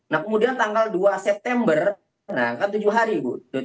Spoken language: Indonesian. nah kemudian tanggal dua september berangkat tujuh hari bu